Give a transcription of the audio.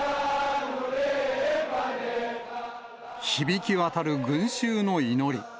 響き渡る群衆の祈り。